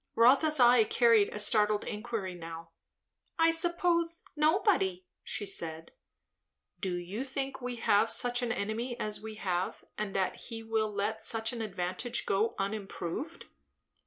Rotha's eye carried a startled inquiry now. "I suppose nobody," she said. "Do you think we have such an enemy as we have, and that he will let such an advantage go unimproved?